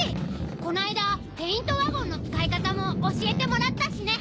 この間ペイント・ワゴンの使い方も教えてもらったしね。